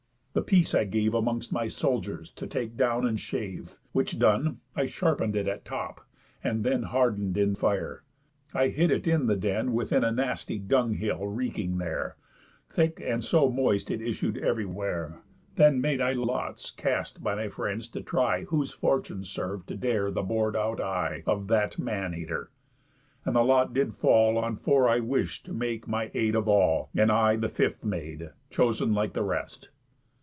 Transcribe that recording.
The piece I gave Amongst my soldiers, to take down, and shave; Which done, I sharpen'd it at top, and then, Harden'd in fire, I hid it in the den Within a nasty dunghill reeking there, Thick, and so moist it issued ev'rywhere. Then made I lots cast by my friends to try Whose fortune serv'd to dare the bor'd out eye Of that man eater; and the lot did fall On four I wish'd to make my aid of all, And I the fifth made, chosen like the rest.